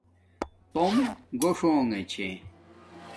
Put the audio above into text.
توم گوݽ ہونگے چھے